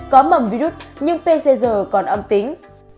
có mẩm virus nhưng pcr còn âm tính